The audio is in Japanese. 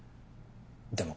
でも。